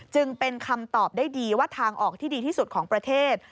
จึงเป็นคำตอบได้ดีว่าทางออกที่ดีที่สุดของประเทศ